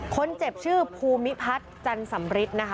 คนเจ็บชื่อภูมิพัฒน์จันสำริทนะคะ